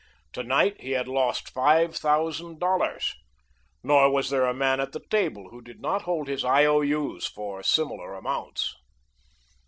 Tonight he had lost five thousand dollars, nor was there a man at the table who did not hold his I. O. U's. for similar amounts.